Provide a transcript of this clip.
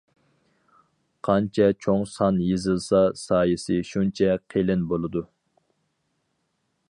قانچە چوڭ سان يېزىلسا سايىسى شۇنچە قېلىن بولىدۇ.